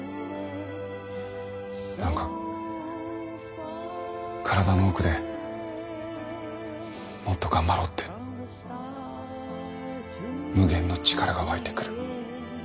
何か体の奥でもっと頑張ろうって無限の力が湧いてくる。